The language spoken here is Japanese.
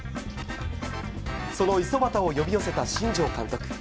その五十幡を呼び寄せた新庄監督。